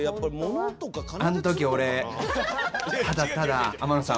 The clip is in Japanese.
あの時、俺、ただただ、天野さん